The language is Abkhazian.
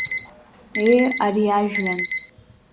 Ее, ари ажәҩан.